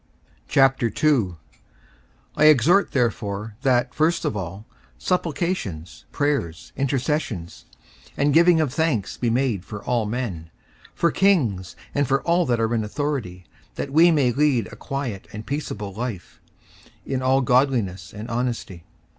54:002:001 I exhort therefore, that, first of all, supplications, prayers, intercessions, and giving of thanks, be made for all men; 54:002:002 For kings, and for all that are in authority; that we may lead a quiet and peaceable life in all godliness and honesty.